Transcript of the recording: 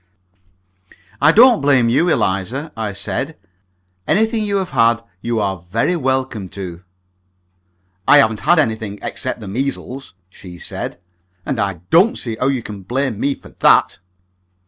"I don't blame you, Eliza," I said. "Anything you have had you are very welcome to." "I haven't had anything, except the measles," she said; "and I don't see how you can blame me for that."